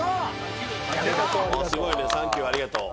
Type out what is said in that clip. すごいね「サンキューありがとう」。